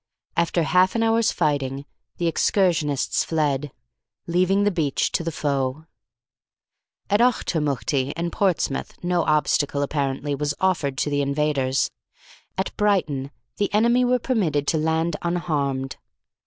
After half an hour's fighting the excursionists fled, leaving the beach to the foe. At Auchtermuchty and Portsmouth no obstacle, apparently, was offered to the invaders. At Brighton the enemy were permitted to land unharmed.